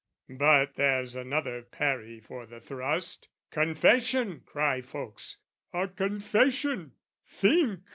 But there's another parry for the thrust. "Confession," cry folks "a confession, think!